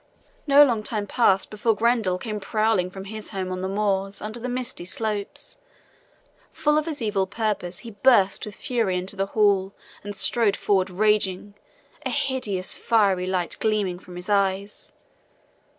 No long time passed before Grendel came prowling from his home on the moors under the misty slopes. Full of his evil purpose, he burst with fury into the hall and strode forward raging, a hideous, fiery light gleaming from his eyes.